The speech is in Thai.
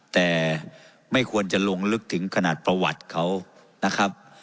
แต่ไม่ควรจะลงลึกถึงขนาดประวัติเขานะครับ